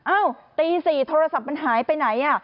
ตี๔โทรศัพท์มันหายไปไหน